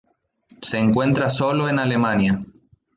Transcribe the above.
Se encuentra sólo en Alemania.